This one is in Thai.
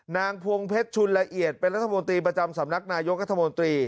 นางพวงเพชรชุนละเอียดเป็นรัฐมนตรีประจำสำนักนายกระทรวงการกระทรวงตรี